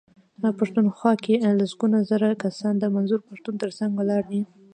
پښتونخوا کې لسګونه زره کسان د منظور پښتون ترڅنګ ولاړ دي.